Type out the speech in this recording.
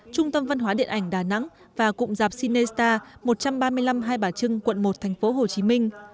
trung tâm văn hóa điện ảnh đà nẵng và cụng dạp cinestar một trăm ba mươi năm hai bà trưng quận một thành phố hồ chí minh